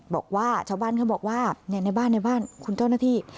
บอกว่าชาวบ้านเขาบอกว่าในบ้านในบ้านคุณเจ้าหน้าที่